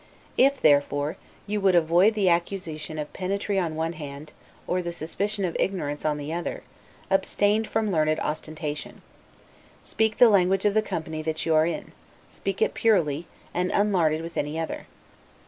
If, therefore, you would avoid the accusation of pedantry on one hand, or the suspicion of ignorance on the other, abstain from learned ostentation. Speak the language of the company that you are in; speak it purely, and unlarded with any other.